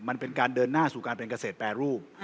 มันเป็นการเดินหน้าสู่การเป็นเกษตรแปรรูป